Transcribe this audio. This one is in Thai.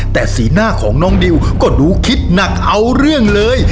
แต่สีหน้าของน้องดิวก็ดูคิดหนักเอาเรื่องเลย